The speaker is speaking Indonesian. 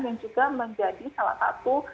yang juga menjadi salah satu